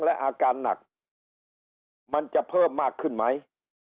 และอาการหนักมันจะเพิ่มมากขึ้นไหม